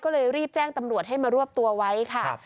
ก็เลยรีบแจ้งตำรวจให้มารวบตัวไว้ค่ะ